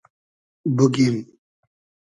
بوگیم